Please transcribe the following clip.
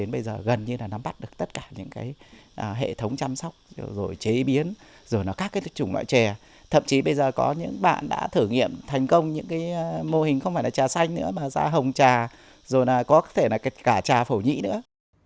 bây giờ gần như là nắm bắt được tất cả những hệ thống chăm sóc rồi chế biến rồi là các chủng loại chè thậm chí bây giờ có những bạn đã thử nghiệm thành công những mô hình không phải là trà xanh nữa mà xã hồng trà rồi là có thể là cả trà phổ nhĩ nữa